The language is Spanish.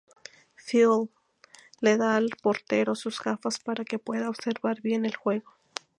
Phil le da al portero sus gafas para que pueda observar bien el juego.